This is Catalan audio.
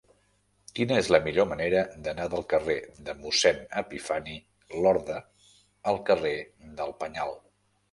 Quina és la millor manera d'anar del carrer de Mossèn Epifani Lorda al carrer del Penyal?